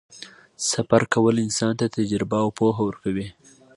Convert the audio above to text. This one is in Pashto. سفر کول انسان ته تجربه او پوهه ورکوي.